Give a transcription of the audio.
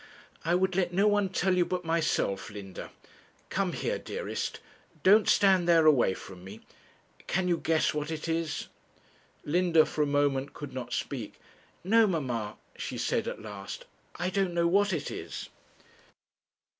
'I would let no one tell you but myself, Linda. Come here, dearest; don't stand there away from me. Can you guess what it is?' Linda, for a moment, could not speak. 'No, mamma,' she said at last, 'I don't know what it is.'